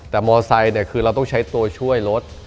แต่มอเตอร์ไซค์คือเราต้องใช้ตัวช่วยรถ